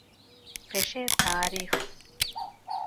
ފެށޭ ތާރީޚު